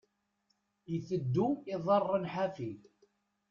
Iteddu, iḍarren ḥafi.